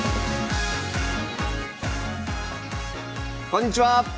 こんにちは。